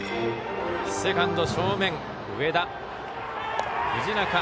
セカンド正面、上田、藤中。